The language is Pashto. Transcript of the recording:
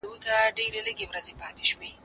تاسي په خپلو لاسونو کي جراثیم کله هم نه پرېږدئ.